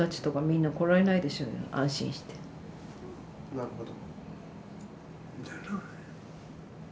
なるほど。